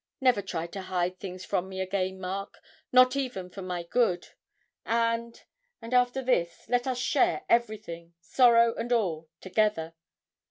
Never try to hide things from me again, Mark not even for my good! and and after this let us share everything sorrow and all together!'